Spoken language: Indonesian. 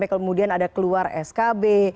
karena ada keluar skb